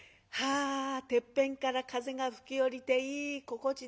あてっぺんから風が吹き降りていい心地だわい。